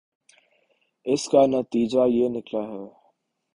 اس کا نتیجہ یہ نکلا ہے